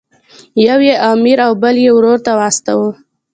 یو یې امیر او بل یې ورور ته واستاوه.